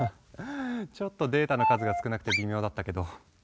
ちょっとデータの数が少なくて微妙だったけど。